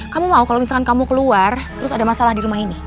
kamu mau kalau misalkan kamu keluar terus ada masalah di rumah ini